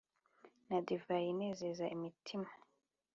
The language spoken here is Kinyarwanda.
Na divayi inezeza imitima